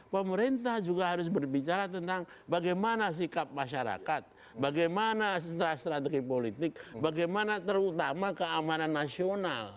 pemerintah juga harus berbicara tentang bagaimana sikap masyarakat bagaimana strategi politik bagaimana terutama keamanan nasional